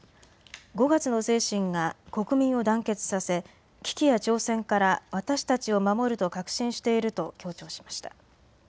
５月の精神が国民を団結させ危機や挑戦から私たちを守ると確信していると強調しました。